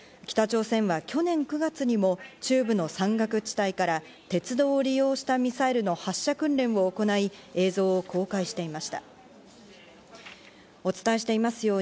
北朝鮮は去年９月にも中部の山岳地帯から鉄道を利用したミサイルの発射訓練を行い、映像を公開していました。